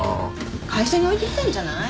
会社に置いてきたんじゃない？